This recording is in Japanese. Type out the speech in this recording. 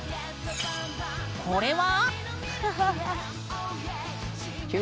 これは？